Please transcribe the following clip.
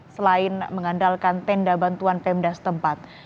selain mengandalkan tenda bantuan pemdas tempat